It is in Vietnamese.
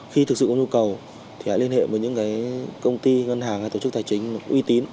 khi thực sự có nhu cầu thì hãy liên hệ với những cái công ty ngân hàng hay tổ chức tài chính uy tín